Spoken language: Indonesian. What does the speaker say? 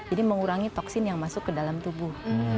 jadi mengurangi toksin yang masuk ke dalam tubuh